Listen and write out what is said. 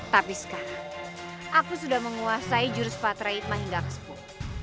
tapi sekarang aku sudah menguasai jurus patra itma hingga kesepuluh